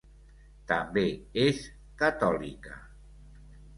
També és catòlica.